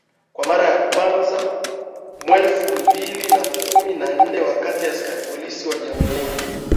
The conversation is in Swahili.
kwa mara kwanzaMwelfu mbili na kumi na nne wakati askari polisi wa Jamhuri